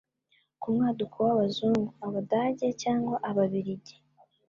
ku mwaduko w'abazungu (Abadage cyangwa Ababirigi).